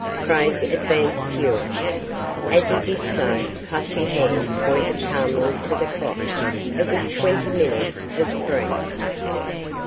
Craig advanced, furious. As he did so, Clutching Hand pointed calmly to the clock. It was twenty minutes of three!